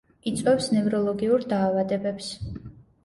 იწვევს ნევროლოგიურ დაავადებებს.